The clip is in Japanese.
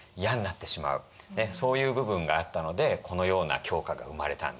そういう部分があったのでこのような狂歌が生まれたんですね。